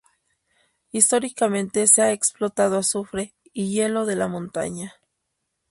Históricamente se han explotado azufre y hielo de la montaña.